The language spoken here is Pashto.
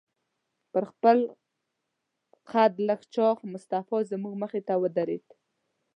تر خپل قد لږ چاغ مصطفی زموږ مخې ته ودرېد.